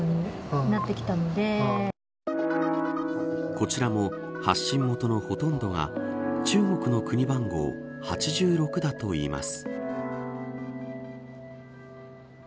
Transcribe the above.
こちらも発信元のほとんどは中国の国番号８６だといいます。